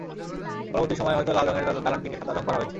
পরবর্তী সময়ে হয়তো লাল রঙের দালানটিকে সাদা রঙ করা হয়েছে।